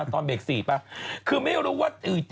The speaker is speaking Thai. อันนี้ลุงไม่ยุ่งดิ